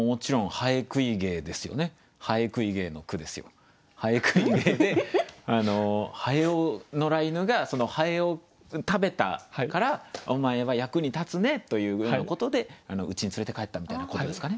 蠅食ひ芸で蠅を野良犬が蠅を食べたからお前は役に立つねというふうなことでうちに連れて帰ったみたいなことですかね。